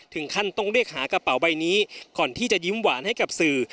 ถึงขั้นต้องเรียกหากระเป๋าใบนี้ก่อนที่จะยิ้มหวานให้กับสื่อ